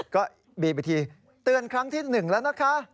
ก็บีบไปทีเตือนครั้งที่๑แล้วนะคะ